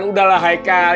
sudahlah hai kal